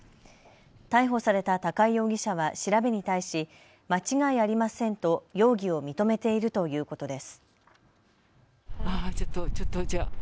逮捕された高井容疑者は調べに対し間違いありませんと容疑を認めているということです。